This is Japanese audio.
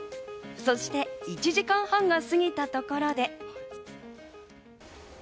そして１時間半が過ぎたところで。